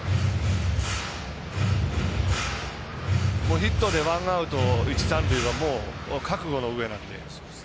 ヒットでワンアウト、一塁三塁は覚悟のうえなので。